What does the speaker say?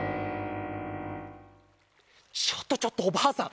ちょっとちょっとおばあさん